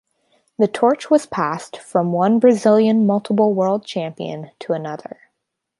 The torch was passed from one Brazilian multiple World Champion to another.